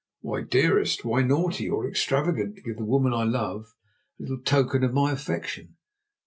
"Why, dearest? Why naughty or extravagant to give the woman I love a little token of my affection?"